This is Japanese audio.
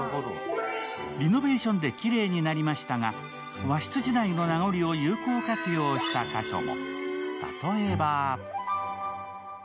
リノベーションできれいになりましたが、和室時代の名残を有効利用した箇所も。